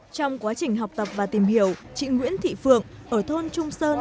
trong quá trình học tập và tìm hiểu chị nguyễn thị phượng ở thôn trung sơn